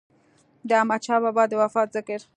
د احمد شاه بابا د وفات ذکر